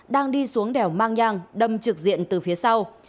đang đi xuống đèo mang nhang đâm trực diện từ phía sau